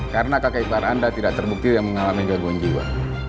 karena kakak ipar anda tidak terbukti yang mengalami gaguan jiwa